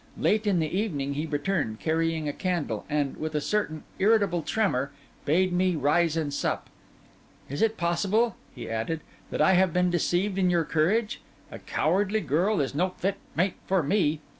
Late in the evening he returned, carrying a candle, and, with a certain irritable tremor, bade me rise and sup. 'Is it possible,' he added, 'that I have been deceived in your courage? A cowardly girl is no fit mate for me.